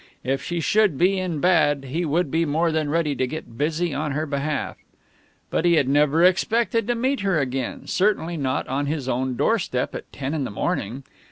If she should be in bad, he would be more than ready to get busy on her behalf. But he had never expected to meet her again, certainly not on his own doorstep at ten in the morning.